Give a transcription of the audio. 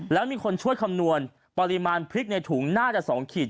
แล้วมีคนช่วยคำนวณปริมาณพริกในถุงน่าจะ๒ขีด